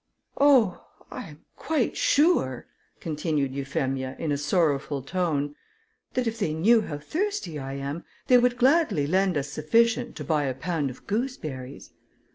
"Oh! I am quite sure," continued Euphemia, in a sorrowful tone, "that if they knew how thirsty I am, they would gladly lend us sufficient to buy a pound of gooseberries."